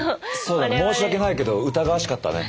そうだね申し訳ないけど疑わしかったね。